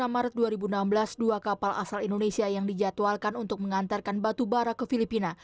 dua puluh maret dua ribu enam belas dua kapal asal indonesia yang dijadwalkan untuk mengantarkan batubara ke filipina